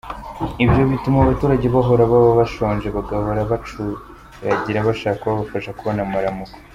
Ibyo bituma abaturage bahora baba bashonje, bagahora bacuragira bashaka uwabafasha kubona amaramuko.